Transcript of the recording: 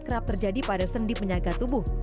kerap terjadi pada sendi penyaga tubuh